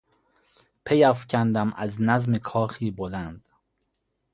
پیافکندم از نظم کاخی بلند